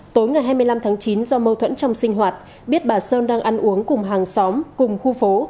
tối ngày hai mươi năm tháng chín do mâu thuẫn trong sinh hoạt biết bà sơn đang ăn uống cùng hàng xóm cùng khu phố